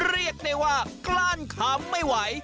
เรียกได้ว่ากลั้นคำไม่ไหว